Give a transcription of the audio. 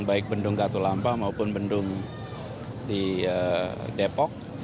baik bendung katulampang maupun bendung depok